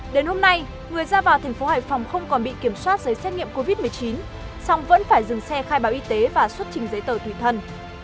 đến hôm nay người ra vào thành phố hải phòng không còn bị kiểm soát giấy xét nghiệm covid một mươi chín song vẫn phải dừng xe khai báo y tế và xuất trình giấy tờ tùy thân